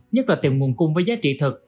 nhất là tiềm nguồn cung với giá trị thực